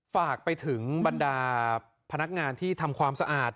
ฝากไปถึงบรรดาพนักงานที่ทำความสะอาด